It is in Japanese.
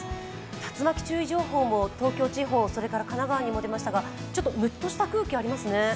竜巻注意情報も東京地方、神奈川にも出ましたが、ムッとした空気、ありますよね。